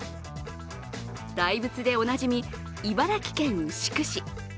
大仏でおなじみ、茨城県牛久市。